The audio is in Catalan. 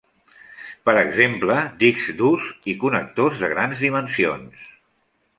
Per exemple, discs durs i connectors de grans dimensions.